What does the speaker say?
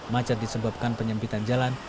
macet disebabkan penyempitan jalan